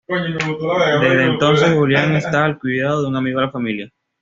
Desde entonces Julian está al cuidado de un amigo de la familia.